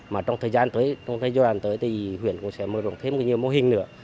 mà trong thời gian tới trong thời gian tới thì huyện cũng sẽ mở rộng thêm nhiều mô hình nữa